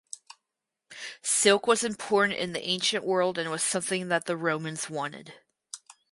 Silk was important in the ancient world and was something that the Romans wanted.